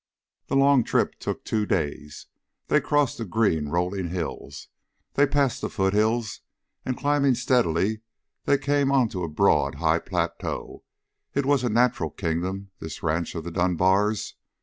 The long trip took two days. They crossed the green, rolling hills; they passed the foothills, and climbing steadily they came onto a broad, high plateau it was a natural kingdom, this ranch of the Dunbars.